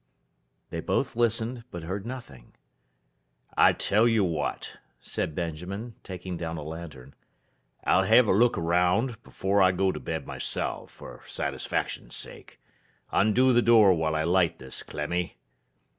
They both listened, but heard nothing. 'I tell you what,' said Benjamin, taking down a lantern. 'I'll have a look round, before I go to bed myself, for satisfaction's sake. Undo the door while I light this, Clemmy.